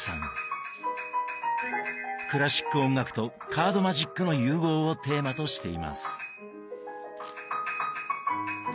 クラシック音楽とカードマジックの融合をテーマとしています。